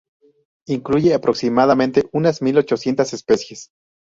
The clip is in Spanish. Incluye aproximadamente unas mil ochocientas especies.